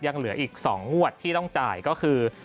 ยังเหลืออีก๒งวดที่ต้องจ่ายก็คือ